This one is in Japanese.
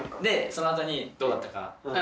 その後にどうだったか。